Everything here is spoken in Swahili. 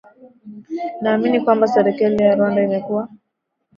naamini kwamba serikali ya rwanda imekuwa